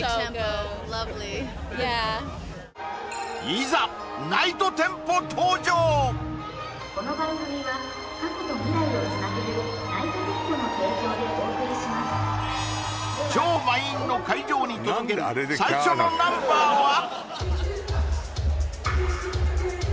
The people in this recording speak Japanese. いざ超満員の会場に届ける最初のナンバーは？